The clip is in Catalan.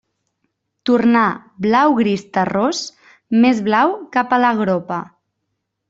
Tornar blau-gris terrós, més blau cap a la gropa.